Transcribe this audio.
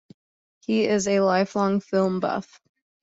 He is a lifelong film buff.